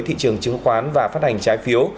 thị trường chứng khoán và phát hành trái phiếu